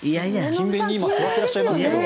勤勉に今、座ってらっしゃいますけど。